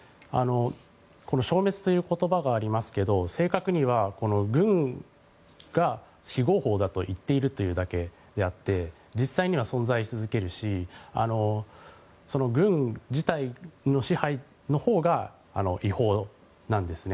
消滅という言葉がありますが正確には軍が非合法だと言っているだけであって実際には存在し続けるし軍自体の支配のほうが違法なんですね。